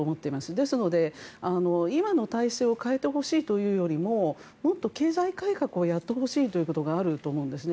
ですので、今の体制を変えてほしいというよりももっと経済改革をやってほしいということがあると思うんですね。